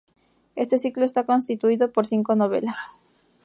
Este ciclo está constituido por cinco novelas.